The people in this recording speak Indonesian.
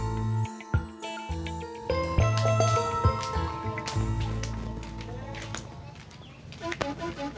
semoga dia tidak stres satus